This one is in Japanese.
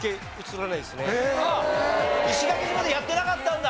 石垣島でやってなかったんだ。